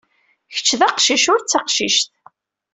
Kečč d aqcic, ur d taqcict.